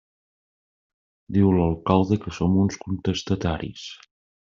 Diu l'alcalde que som uns contestataris.